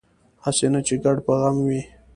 هسې نه چې ګډ په غم وي